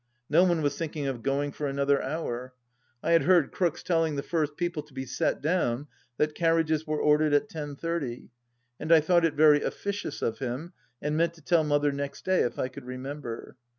No one was thinking of going for another hour. I had heard Crookes telling the first people to be set down that carriages were ordered at ten thirty, and I thought it very officious of him, and meant to tell Mother next day if I could remember.